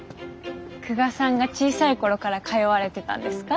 久我さんが小さい頃から通われてたんですか？